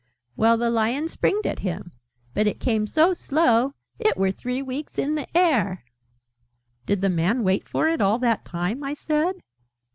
"Well, the Lion springed at him. But it came so slow, it were three weeks in the air " "Did the Man wait for it all that time?" I said.